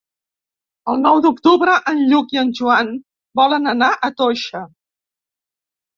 El nou d'octubre en Lluc i en Joan volen anar a Toixa.